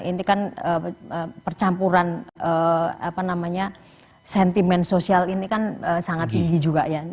ini kan percampuran sentimen sosial ini kan sangat tinggi juga ya